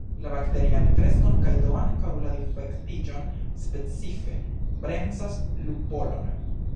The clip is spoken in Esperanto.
La bakterian kreskon kaj do ankaŭ la difektiĝon specife bremsas lupolon.